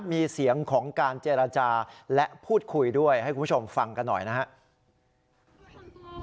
มีเสียงของการเจรจาและพูดคุยด้วยให้คุณผู้ชมฟังกันหน่อยนะครับ